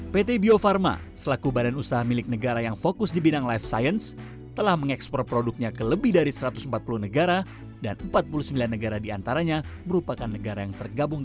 pt bio farma selaku badan usaha milik negara yang fokus di bidang life science telah mengekspor produknya ke lebih dari satu ratus empat puluh negara dan empat puluh sembilan negara diantaranya merupakan negara yang tergabung dalam